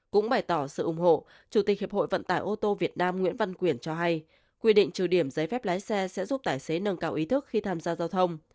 cũng bày tỏ sự ủng hộ chủ tịch hiệp hội vận tải ô tô việt nam nguyễn văn quyển cho hay quy định trừ điểm giấy phép lái xe sẽ giúp tài xế nâng cao ý thức khi tham gia giao thông